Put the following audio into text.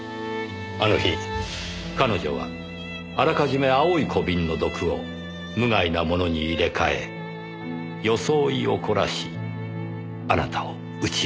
あの日彼女はあらかじめ青い小瓶の毒を無害なものに入れ替え装いを凝らしあなたを家へ招いた。